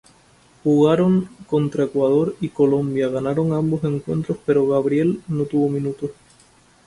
Jugaron contra Ecuador y Colombia, ganaron ambos encuentros pero Gabriel no tuvo minutos.